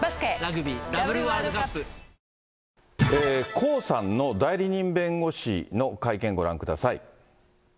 江さんの代理人弁護士の会見、ご覧ください。